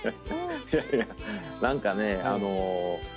いやいや何かね